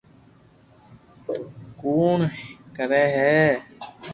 تو ڪوڙ ڪري ھي